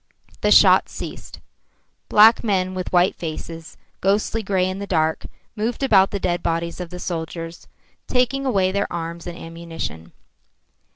The shots ceased. Black men with white faces, ghostly grey in the dark, moved about the dead bodies of the soldiers, taking away their arms and ammunition.